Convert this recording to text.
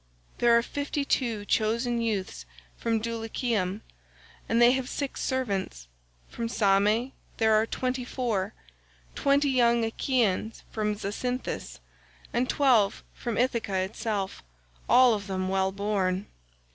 There are fifty two chosen youths from Dulichium, and they have six servants; from Same there are twenty four; twenty young Achaeans from Zacynthus, and twelve from Ithaca itself, all of them well born.